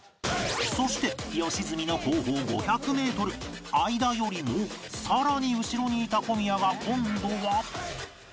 そして良純の後方５００メートル相田よりもさらに後ろにいた小宮が今度は